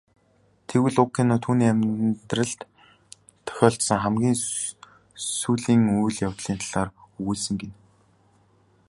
Тэгвэл уг кино түүний амьдралд тохиолдсон хамгийн сүүлийн үйл явдлын талаар өгүүлсэн гэнэ.